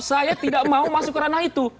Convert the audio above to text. saya tidak mau masuk ke ranah itu